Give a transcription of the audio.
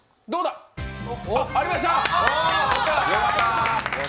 ありました！